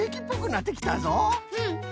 うん。